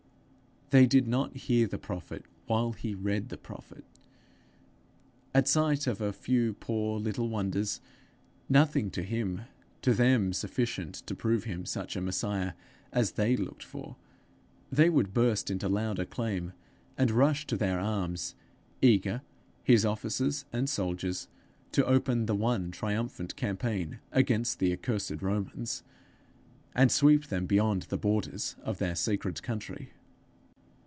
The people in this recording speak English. They did not hear the prophet while he read the prophet! At sight of a few poor little wonders, nothing to him, to them sufficient to prove him such a Messiah as they looked for, they would burst into loud acclaim, and rush to their arms, eager, his officers and soldiers, to open the one triumphant campaign against the accursed Romans, and sweep them beyond the borders of their sacred country.